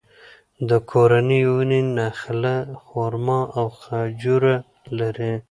د کورنۍ ونې نخله، خورما او خجوره لري.